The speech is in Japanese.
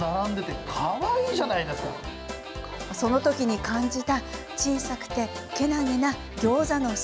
その時感じた小さくてけなげなギョーザの姿